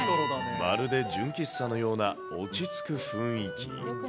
まるで純喫茶のような落ち着く雰囲気。